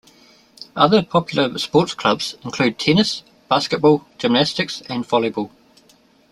Other popular sports clubs include tennis, basketball, gymnastics, and volleyball.